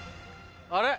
あれ？